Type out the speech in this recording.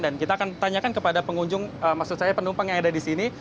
kita akan tanyakan kepada pengunjung maksud saya penumpang yang ada di sini